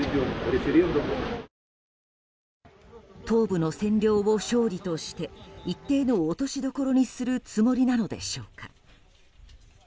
東部の占領を勝利として一定の落としどころにするつもりなのでしょうか。